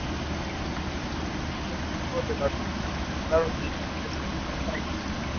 Evans ha hecho muchas contribuciones al campo de la química orgánica.